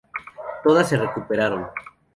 Todas se recuperaron.